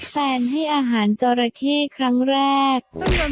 แฟนให้อาหารจอราเข้ครั้งแรก